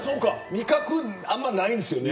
味覚あんまないんですよね。